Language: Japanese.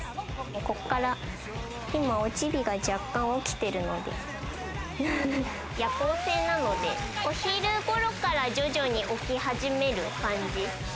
こっから今、おチビが若干起きてるので、夜行性なので、お昼頃から徐々に起き始める感じ。